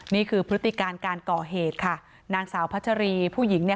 พฤติการการก่อเหตุค่ะนางสาวพัชรีผู้หญิงเนี่ย